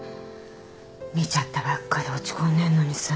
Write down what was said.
見ちゃったばっかで落ち込んでんのにさ。